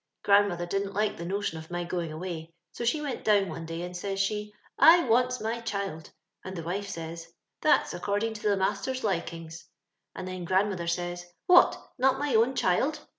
Grandmother didn't like the notion of my going away, so she went down one day, and says she —' I wants my child;' and the wife says —' That's according to tho master's likings;' and then grandmother saysr— ' What, not my own child